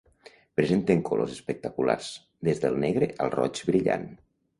Presenten colors espectaculars, des del negre al roig brillant.